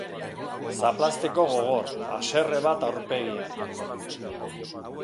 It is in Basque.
Zaplazteko gogor, haserre bat aurpegian.